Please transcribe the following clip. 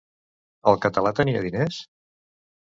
El català tenia diners?